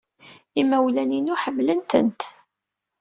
Imawlan-inu ḥemmlen-tent.